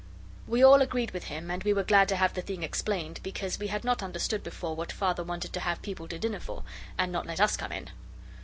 We all agreed with him, and we were glad to have the thing explained, because we had not understood before what Father wanted to have people to dinner for and not let us come in.